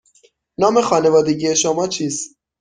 نام خانوادگی شما چیست؟